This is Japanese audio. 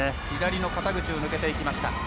左の肩口を抜けていきました。